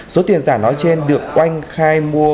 số tiền giả nói trên được oanh khai mua